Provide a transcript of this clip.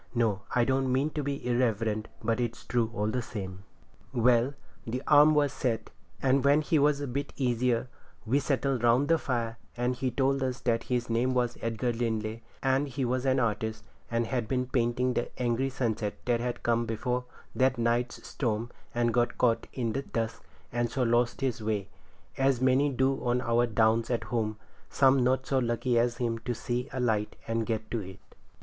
No, I don't mean to be irreverent, but it's true, all the same. Well, the arm was set, and when he was a bit easier we settled round the fire, and he told us that his name was Edgar Linley, and he was an artist, and had been painting the angry sunset that had come before that night's storm, and got caught in the dusk and so lost his way, as many do on our Downs at home, some not so lucky as him to see a light and get to it.